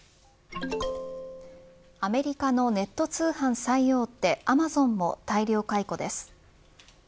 アメリカのネット通販最大手アマゾンも大量解雇です。